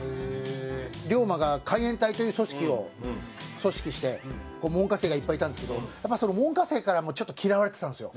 龍馬が海援隊という組織を組織して門下生がいっぱいいたんですけどやっぱその門下生からもちょっと嫌われてたんですよ。